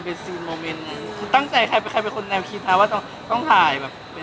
เป็นตั้งใจใครเป็นคนแนวคิดนะว่าต้องถ่าย